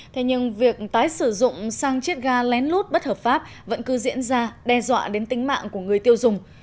thế nhưng việc tái sử dụng sang chiếc ga lén lút bất hợp pháp vẫn cứ diễn ra đe dọa đến tính mạng của người tiêu dùng